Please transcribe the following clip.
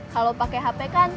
kalau pakai hp kan